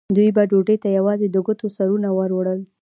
دوی به ډوډۍ ته یوازې د ګوتو سرونه وروړل.